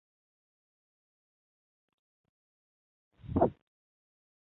玉门路站站是位于台湾台中市西屯区的台湾大道干线公车站。